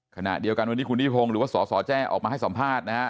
ขณะเดียวกันวันนี้คุณนิพงศ์หรือว่าสสแจ้ออกมาให้สัมภาษณ์นะฮะ